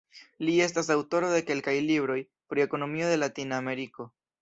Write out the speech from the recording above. Li estas aŭtoro de kelkaj libroj pri ekonomio de Latina Ameriko.